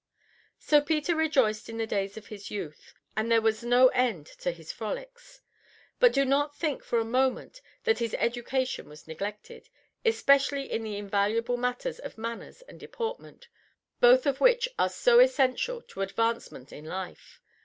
So Peter rejoiced in the days of his youth, and there was no end to his frolics. But do not think for a moment that his education was neglected, especially in the invaluable matters of manners and deportment, both of which are so essential to advancement in life.